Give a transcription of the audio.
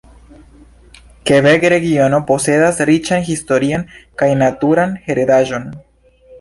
Kebek-regiono posedas riĉan historian kaj naturan heredaĵon.